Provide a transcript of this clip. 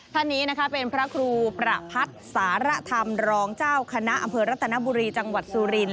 ท่านนี้นะคะเป็นพระครูประพัฒน์สารธรรมรองเจ้าคณะอำเภอรัตนบุรีจังหวัดสุรินท